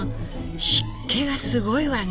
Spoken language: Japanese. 湿気がすごいわね。